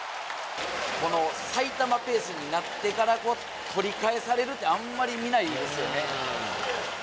この埼玉ペースになってから、取り返されるって、あんまり見ないですよね。